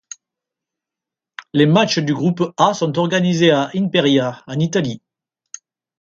Les matches du groupe A sont organisés à Imperia, en Italie.